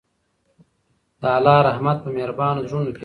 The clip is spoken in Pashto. د الله رحمت په مهربانو زړونو کې وي.